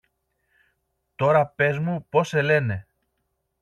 Τώρα πες μου πώς σε λένε.